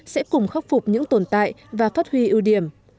sẽ cùng khắc phục những tồn tại và phát huy ưu điểm